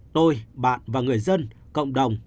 tôi bạn và người dân cộng đồng